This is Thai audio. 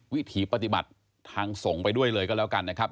วิถีปฏิบัติทางส่งไปด้วยเลยก็แล้วกันนะครับ